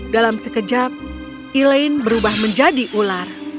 dalam sekejap elaine berubah menjadi ular